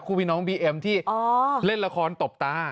พี่น้องบีเอ็มที่เล่นละครตบตา